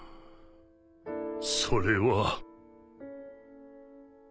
それは。